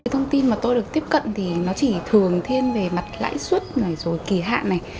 thông tin mà tôi được tiếp cận thì nó chỉ thường thiên về mặt lãi suất rồi kỳ hạn này